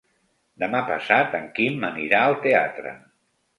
Demà passat en Quim anirà al teatre.